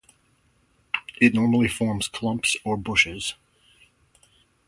It normally forms clumps or bushes.